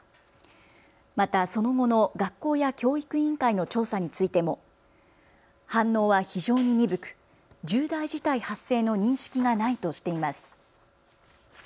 またその後の学校や教育委員会の調査についても反応は非常に鈍く、重大事態発生の認識がないとしています。